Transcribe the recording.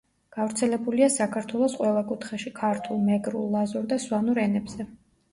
გავრცელებულია საქართველოს ყველა კუთხეში ქართულ, მეგრულ, ლაზურ და სვანურ ენებზე.